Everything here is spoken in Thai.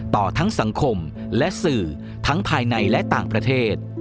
ต่อทั้งสังคมและสื่อทั้งภายในและต่างประเทศ